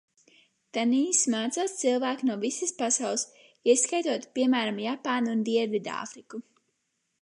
Tanīs mācās cilvēki no visas pasaules, ieskaitot, piemēram, Japānu un Dienvidāfriku.